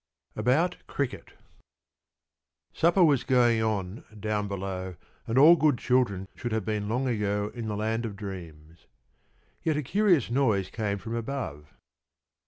ABOUT CRICKET Supper was going on down below and all good children should have been long ago in the land of dreams. Yet a curious noise came from above.